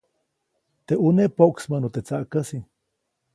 Teʼ ʼuneʼ poʼksmäʼnu teʼ tsaʼkäsi.